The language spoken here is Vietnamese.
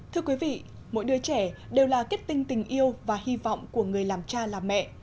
thưa quý vị mỗi đứa trẻ đều là kết tinh tình yêu và hy vọng của người làm cha làm mẹ